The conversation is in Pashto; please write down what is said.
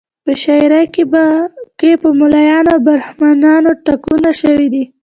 په شاعري کې په ملایانو او برهمنانو ټکونه شوي دي.